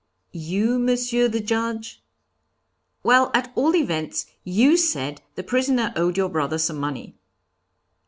'You, Monsieur the Judge?' 'Well, at all events, you said the prisoner owed your brother some money.'